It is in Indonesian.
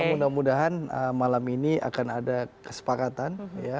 mudah mudahan malam ini akan ada kesepakatan